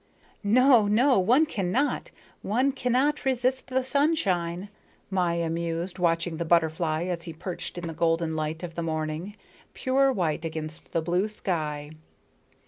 "No, no one cannot one cannot resist the sunshine." Maya mused, watching the butterfly as he perched in the golden light of the morning, pure white against the blue sky.